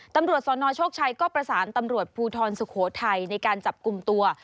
ตำรวจสนโชคชัยก็ประสานตำรวจภูทรสุโขทัยในการจับกลุ่มตัว